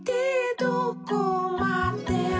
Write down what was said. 「どこまでも」